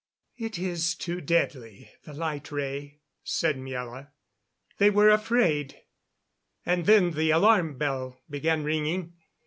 "It is too deadly the light ray," said Miela. "They were afraid. And then the alarm bell began ringing.